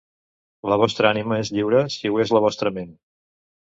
La vostra ànima és lliure si ho és la vostra ment.